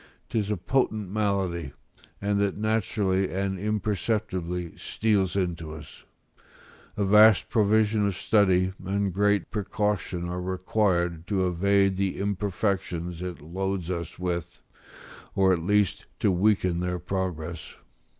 'Tis a potent malady, and that naturally and imperceptibly steals into us; a vast provision of study and great precaution are required to evade the imperfections it loads us with, or at least to weaken their progress.